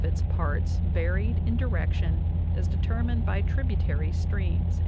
its parts varied in direction as determined by tributary streams."